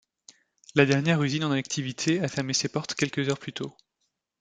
La dernière usine en activité a fermé ses portes quelques heures plus tôt.